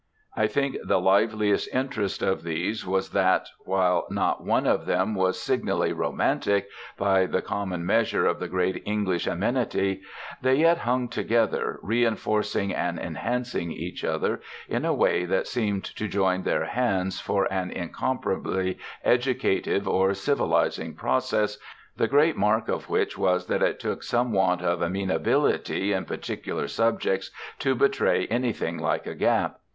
I think the liveliest interest of these was that while not one of them was signally romantic, by the common measure of the great English amenity, they yet hung together, reinforcing and enhancing each other, in a way that seemed to join their hands for an incomparably educative or civilising process, the great mark of which was that it took some want of amenability in particular subjects to betray anything like a gap.